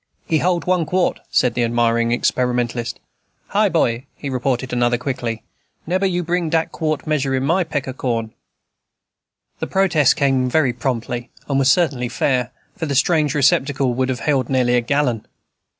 "He hold one quart," said the admiring experimentalist. "Hi! boy," retorted another quickly, "neber you bring dat quart measure in my peck o' corn." The protest came very promptly, and was certainly fair; for the strange receptacle would have held nearly a gallon.